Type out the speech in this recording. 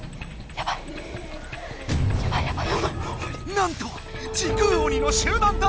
なんと時空鬼の集団だ！